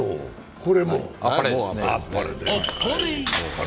これもあっぱれで？